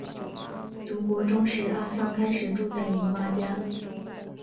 读国中时阿桑开始住在姨妈家。